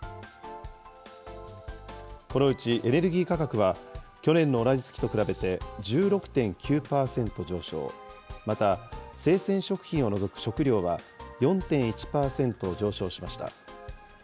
このうちエネルギー価格は、去年の同じ月と比べて１６．９％上昇、また、生鮮食品を除く食料は４．１％上昇しました。